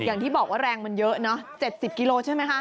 อย่างที่บอกว่าแรงมันเยอะเนอะ๗๐กิโลใช่ไหมคะ